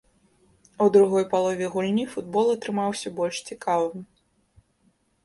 У другой палове гульні футбол атрымаўся больш цікавым.